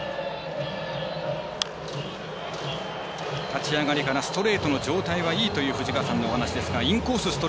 立ち上がりからストレートの状態はいいという藤川さんのお話ですが。